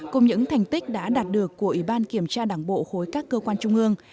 cùng những thành tích đã đạt được của ủy ban kiểm tra đảng bộ khối các cơ quan trung ương